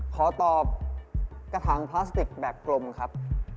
ขอตอบกระถางพลาสติกแบบกลมครับ